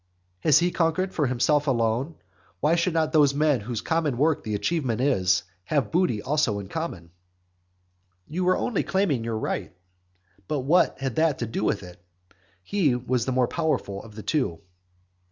Has he conquered for himself alone? Why should not those men whose common work the achievement is, have the booty also in common?" You were only claiming your right, but what had that to do with it? He was the more powerful of the two.